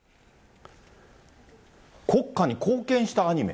国家に貢献したアニメ？